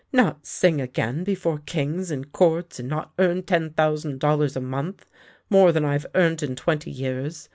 Not sing again before kings and Courts, and not earn ten thousand dollars a month — more than I've earned in twenty years!